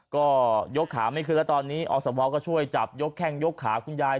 ก็ยกขาไม่ขึ้นแล้วตอนนี้อสมก็ช่วยจับยกแข้งยกขาคุณยาย